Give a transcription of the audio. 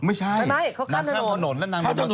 ไม่ใช่เข้าเข้าถนนตร์แล้วนำข้าวถนน